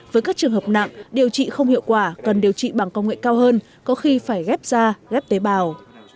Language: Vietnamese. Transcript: với các trường hợp nặng điều trị không hiệu quả cần điều trị bằng công nghệ cao hơn có khi phải ghép da ghép tế bào